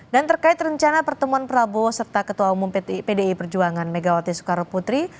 dan terkait rencana pertemuan prabowo serta ketua umum pdi perjuangan megawati soekaroputri